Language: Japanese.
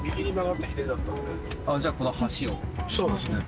そうですね。